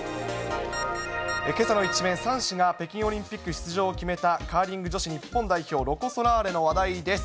けさの一面３紙が北京オリンピック出場を決めたカーリング女子日本代表、ロコ・ソラーレの話題です。